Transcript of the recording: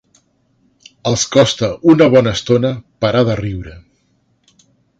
Els costa una bona estona parar de riure.